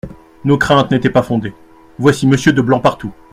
Nos craintes n’étaient pas fondées… voici Monsieur de Blancpartout.